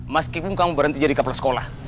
meskipun kamu berhenti jadi kepala sekolah